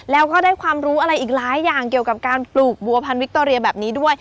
แล้วก็ได้ความรู้อะไรอีกหลายอย่างเกี่ยวกับการปลูกบัวพันธวิคโตเรียแบบนี้ด้วย